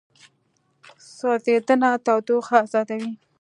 سوځېدنه تودوخه ازادوي.